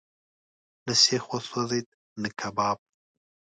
نه سیخ وسوځېد، نه کباب.